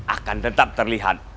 akan tetap terlihat